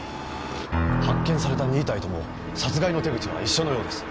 発見された２体とも殺害の手口は一緒のようです。